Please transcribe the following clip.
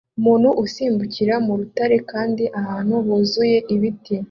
Umuntu usimbukira mu rutare kandi ahantu huzuye ibiti